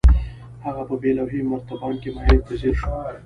هغه په بې لوحې مرتبان کې مايع ته ځير شو.